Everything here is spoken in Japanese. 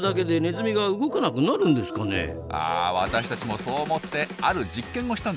私たちもそう思ってある実験をしたんです。